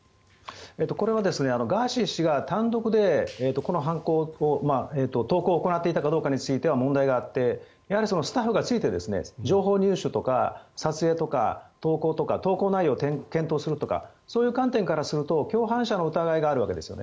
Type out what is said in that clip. これはガーシー氏が単独でこの犯行を投稿を行っていたかどうかについては問題があってやはりスタッフがついて情報入手とか撮影とか投稿とか投稿内容を検討するとかそういう観点からすると共犯者の疑いがあるわけですよね。